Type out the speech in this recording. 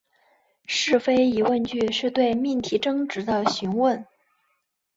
是非疑问句是对命题真值的询问。